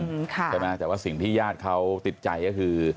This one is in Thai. ใช่ไหมแต่ว่าสิ่งที่ญาติเขาติดใจก็คือ